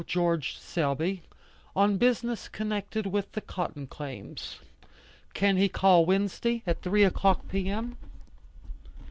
George Selby, on business connected with the Cotton Claims. Can he call Wednesday at three o'clock P. M.?"